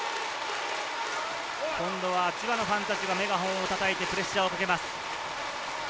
千葉のファンたちがメガホンをたたいてプレッシャーをかけます。